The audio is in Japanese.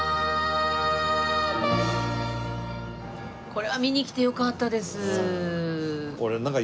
これは見に来てよかったです。